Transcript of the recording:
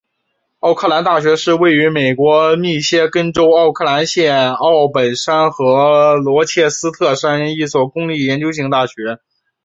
奥克兰大学是位于美国密歇根州奥克兰县奥本山和罗切斯特山的一所公立研究型大学。